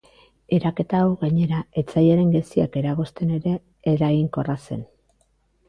Eraketa hau, gainera, etsaiaren geziak eragozten ere eraginkorra zen.